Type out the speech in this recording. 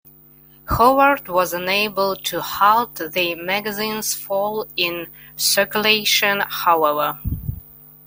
Howard was unable to halt the magazine's fall in circulation, however.